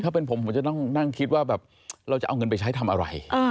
ถ้าเป็นผมผมจะต้องนั่งคิดว่าแบบเราจะเอาเงินไปใช้ทำอะไร